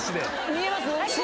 見えます